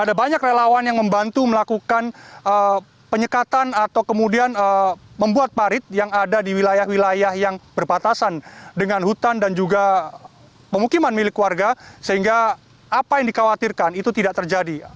ada banyak relawan yang membantu melakukan penyekatan atau kemudian membuat parit yang ada di wilayah wilayah yang berbatasan dengan hutan dan juga pemukiman milik warga sehingga apa yang dikhawatirkan itu tidak terjadi